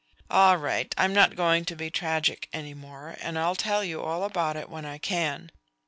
"All right I'm not going to be tragic any more, and I'll tell you all about it when I can.